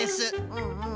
うんうん。